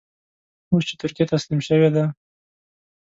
اوس چې ترکیه تسلیم شوې ده.